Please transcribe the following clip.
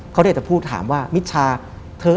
และไม่เคยเข้าไปในห้องมิชชาเลยแม้แต่ครั้งเดียว